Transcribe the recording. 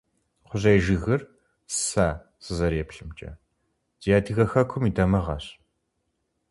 Кхъужьей жыгыр, сэ сызэреплъымкӀэ, ди адыгэ хэкум и дамыгъэщ.